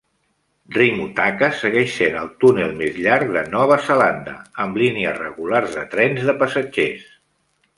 Rimutaka segueix sent el túnel més llarg de Nova Zelanda amb línies regulars de trens de passatgers.